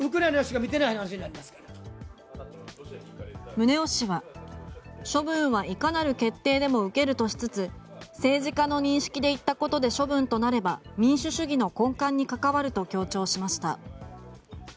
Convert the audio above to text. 宗男氏は処分はいかなる決定でも受けるとしつつ政治家の認識で言ったことで処分となれば民主主義の根幹に関わると強調しました。